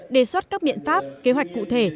đề xuất các biện pháp kế hoạch cụ thể